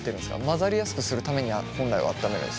混ざりやすくするために本来は温めるんですか？